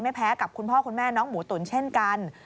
แพ้กับคุณพ่อคุณแม่น้องหมูตุ๋นเช่นกัน